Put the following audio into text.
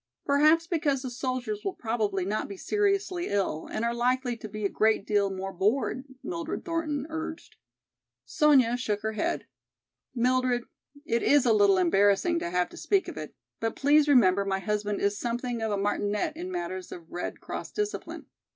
Perhaps because the soldiers will probably not be seriously ill and are likely to be a great deal more bored," Mildred Thornton urged. Sonya shook her head. "Mildred, it is a little embarrassing to have to speak of it, but please remember my husband is something of a martinet in matters of Red Cross discipline.